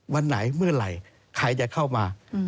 วันไหนเมื่อไหร่ใครจะเข้ามา